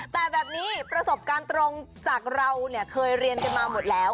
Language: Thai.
แต่แบบนี้ประสบการณ์ตรงจากเราเนี่ยเคยเรียนกันมาหมดแล้ว